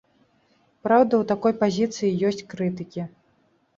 Праўда, у такой пазіцыі ёсць крытыкі.